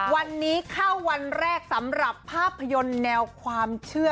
วันนี้เข้าวันแรกสำหรับภาพยนตร์แนวความเชื่อ